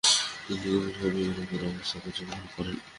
তিনি গভীরভাবে ইউরোপের অবস্থা পর্যবেক্ষণ করেন।